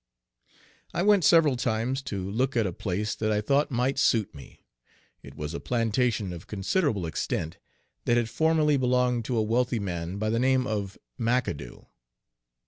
I went several times to look at a place that I thought might suit me. It was a plantation of considerable extent, that had formerly belonged to a wealthy man by the name of McAdoo.